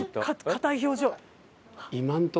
硬い表情。